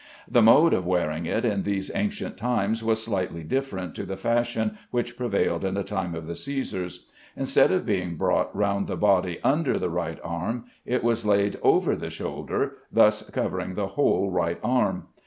The mode of wearing it in these ancient times was slightly different to the fashion which prevailed in the time of the Cæsars. Instead of being brought round the body under the right arm it was laid over the shoulder, thus covering the whole right arm.